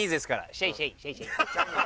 シェイシェイシェイシェイ。